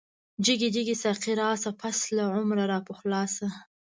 جگی جگی ساقی راشه، پس له عمره را پخلاشه